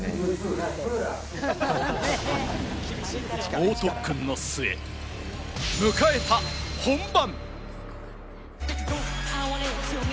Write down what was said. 猛特訓の末、迎えた本番。